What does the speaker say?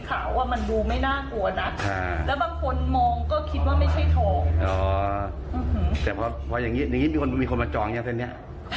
ขาวอ่ะมันดูไม่น่ากลัวณฮะแล้วบางคนมองก็คิดว่าไม่ใช่